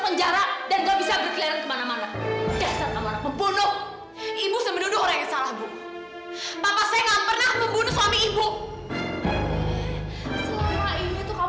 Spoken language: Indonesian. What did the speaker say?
ayah kamu itu pura pura bayang ternyata ayah kamu itu sudah bunuh suami saya